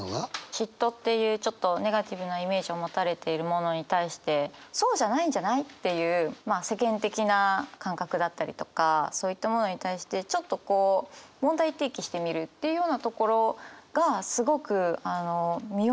嫉妬っていうちょっとネガティブなイメージを持たれているものに対してそうじゃないんじゃない？っていうまあ世間的な感覚だったりとかそういったものに対してちょっとこう問題提起してみるっていうようなところがすごく実を結んだ文章だと思います。